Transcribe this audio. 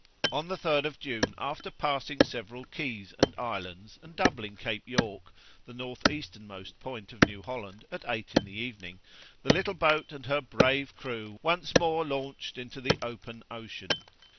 On the 3rd of June, after passing several keys and islands, and doubling Cape York, the north easternmost point of New Holland, at eight in the evening the little boat and her brave crew once more launched into the open ocean.